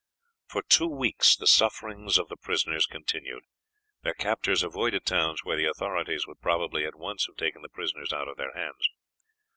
For two weeks the sufferings of the prisoners continued. Their captors avoided towns where the authorities would probably at once have taken the prisoners out of their hands.